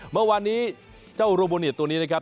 เมื่อวานนี้เจ้าโรโมเนียตัวนี้นะครับ